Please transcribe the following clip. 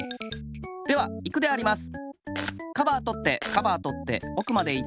ではいくであります。